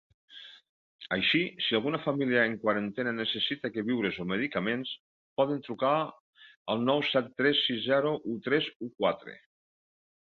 Així, si alguna família en quarantena necessita queviures o medicaments, poden trucar al nou set tres sis zero u tres u quatre.